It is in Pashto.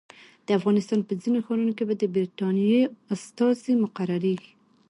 د افغانستان په ځینو ښارونو کې به د برټانیې استازي مقرریږي.